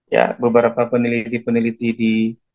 ya beberapa peneliti peneliti di